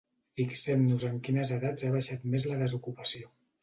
Fixem-nos en quines edats ha baixat més la desocupació.